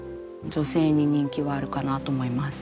女性に人気はあるかなと思います。